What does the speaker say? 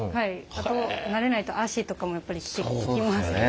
あと慣れないと足とかもやっぱりきます。